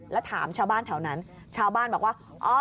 แล้วถามชาวบ้านแถวนั้นชาวบ้านบอกว่า